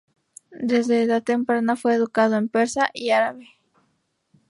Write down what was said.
Desde edad temprana fue educado en persa y árabe.